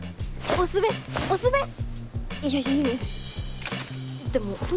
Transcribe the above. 押すべし押すべし！